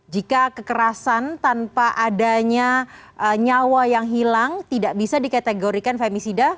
jika kekerasan tanpa adanya nyawa yang hilang tidak bisa dikategorikan femisida